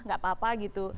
tidak apa apa gitu